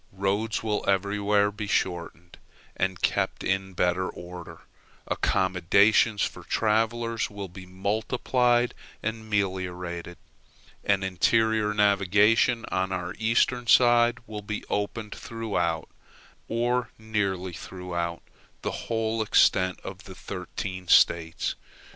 Roads will everywhere be shortened, and kept in better order; accommodations for travelers will be multiplied and meliorated; an interior navigation on our eastern side will be opened throughout, or nearly throughout, the whole extent of the thirteen States.